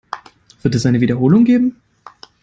Wird es eine Wiederholung geben?